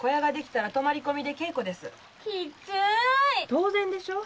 当然でしょ。